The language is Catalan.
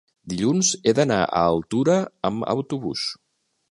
Dilluns he d'anar a Altura amb autobús.